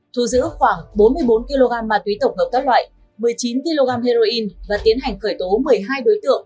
thu giữ khoảng bốn mươi bốn kg ma túy tổng hợp các loại một mươi chín kg heroin và tiến hành khởi tố một mươi hai đối tượng